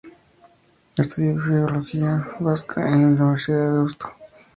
Estudió filología vasca en la Universidad de Deusto.